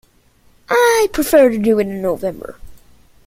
I would prefer to do it in November.